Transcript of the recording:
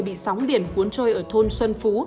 bị sóng biển cuốn trôi ở thôn xuân phú